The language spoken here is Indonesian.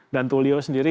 dan tulio sendiri